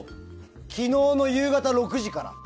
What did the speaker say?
昨日の夕方６時から。